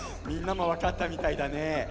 みんなもわかったみたいだね。